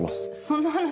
そんな話。